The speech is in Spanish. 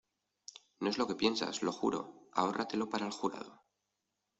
¡ No es lo que piensas, lo juro! ¡ ahórratelo para el jurado !